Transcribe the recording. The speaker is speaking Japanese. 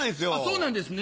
そうなんですね。